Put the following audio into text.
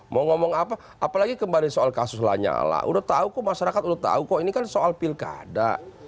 mau ngomong apa apalagi kembali soal kasus lanyala udah tahu kok masyarakat udah tahu kok ini kan soal pilkada